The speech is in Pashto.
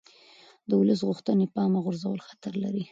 د ولس غوښتنې له پامه غورځول خطر لري